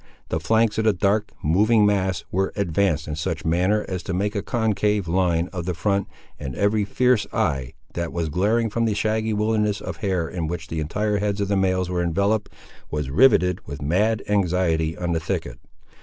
The flanks of the dark, moving mass, were advanced in such a manner as to make a concave line of the front, and every fierce eye, that was glaring from the shaggy wilderness of hair in which the entire heads of the males were enveloped, was riveted with mad anxiety on the thicket.